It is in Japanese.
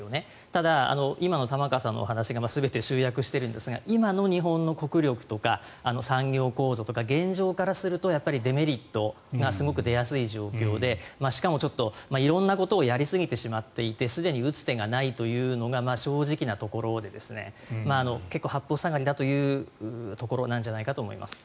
ただ、今の玉川さんのお話が全て集約してるんですが今の日本の国力とか産業構造とか現状からするとデメリットがすごく出やすい状況でしかも、色んなことをやりすぎてしまってすでに打つ手がないというのが正直なところで結構、八方塞がりだというところなんじゃないかと思います。